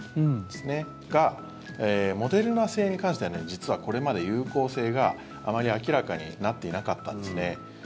が、モデルナ製に関しては実はこれまで有効性があまり明らかになっていなかったんですね。